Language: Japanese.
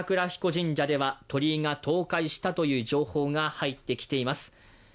神社では鳥居が倒壊したという情報が入ってきています。